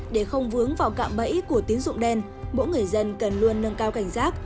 để không vướng vào cạm bẫy của tín dụng đen mỗi người dân cần luôn nâng cao cảnh giác